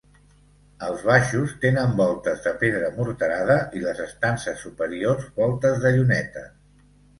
Els baixos tenen voltes de pedra morterada i les estances superiors voltes de llunetes.